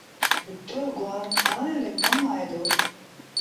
مٺو گُوآر کآڻ ري ڪم آئي دو۔